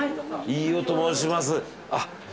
飯尾と申します。